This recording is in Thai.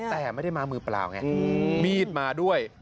แต่ไม่ได้มามือเปล่าไงมีดมาด้วย